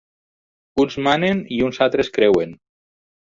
Uns manen i uns altres creuen.